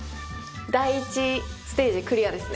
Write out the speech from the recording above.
第１ステージクリアですね。